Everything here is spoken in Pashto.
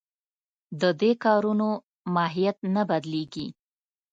د دې کارونو ماهیت نه بدلېږي.